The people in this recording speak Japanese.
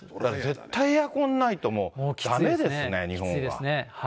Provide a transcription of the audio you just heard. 絶対エアコンないとだめですね、日本は。